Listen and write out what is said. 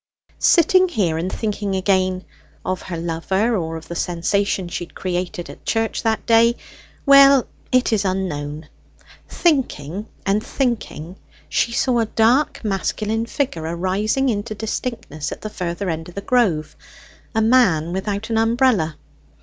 Sitting here and thinking again of her lover, or of the sensation she had created at church that day? well, it is unknown thinking and thinking she saw a dark masculine figure arising into distinctness at the further end of the Grove a man without an umbrella.